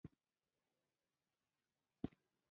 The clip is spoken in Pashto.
د کوټې له کړکۍ مې مسجدالحرام ته وکتل.